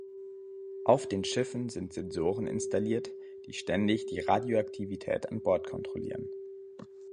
Auf den Schiffen sind Sensoren installiert, die ständig die Radioaktivität an Bord kontrollieren.